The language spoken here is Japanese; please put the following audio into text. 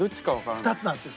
２つなんですよ。